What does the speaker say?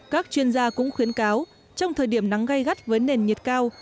các chuyên gia cũng khuyến cáo trong thời điểm nắng gây gắt với nền nhiệt cao